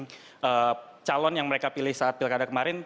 kalau misalnya calon yang mereka pilih saat pilkada kemarin